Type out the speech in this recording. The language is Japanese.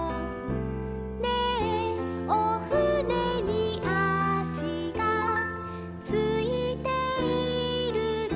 「ねぇおふねにあしがついているの」